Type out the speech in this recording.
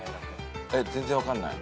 全然分かんない。